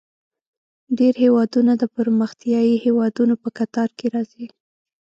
ډیری هیوادونه د پرمختیايي هیوادونو په کتار کې راځي.